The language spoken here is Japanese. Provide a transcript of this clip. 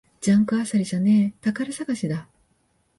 ジャンク漁りじゃねえ、宝探しだ